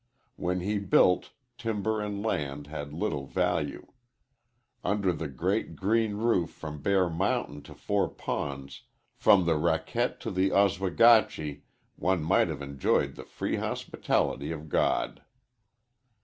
When he built, timber and land had little value. Under the great, green roof from Bear Mountain to Four Ponds, from the Raquette to the Oswegatchie, one might have enjoyed the free hospitality of God.